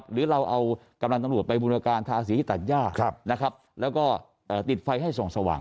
หรือเราเอากำลังตำรวจไปบูรณการทาสีที่ตัดย่านะครับแล้วก็ติดไฟให้ส่องสว่าง